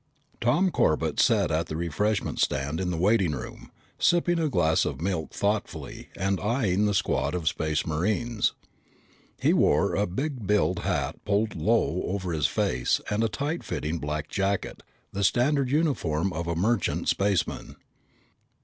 Tom Corbett sat at the refreshment stand in the waiting room, sipping a glass of milk thoughtfully and eying the squad of Space Marines. He wore a big billed hat pulled low over his face and a tight fitting black jacket, the standard uniform of a merchant spaceman.